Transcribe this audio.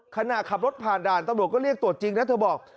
ขณะขับรถผ่านด่านตำรวจก็เรียกตรวจจริงนะเธอบอก